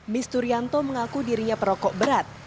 mis turianto mengaku dirinya perokok berat